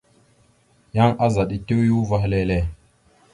Yan azaɗ etew ya uvah lele.